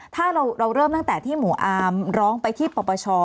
ถ้าเราเริ่มตั้งแต่ที่หมู่อาร์มร้องไปที่ปปช